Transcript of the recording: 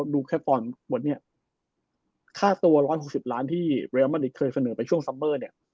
ดูแค่ก่อนวันนี้ค่าตัว๑๖๐ล้านที่เรียลมาริกเคยเสนอไปช่วงซัมเบอร์เนี่ย